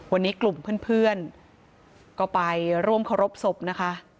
วันนี้กลุ่มเพื่อนก็ไปร่วมเคารพศพนะคะ